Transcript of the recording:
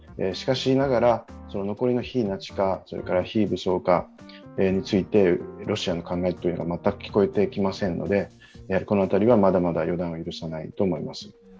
しかしながら、残りの非ナチ化、非武装化についてロシアの考えというのは、全く聞こえてきませんのでこの辺りはまだまだ予断を許さないと思います。